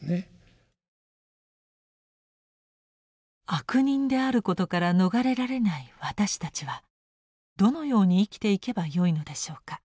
悪人であることから逃れられない私たちはどのように生きていけばよいのでしょうか。